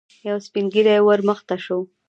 يو سپين ږيری ور مخته شو.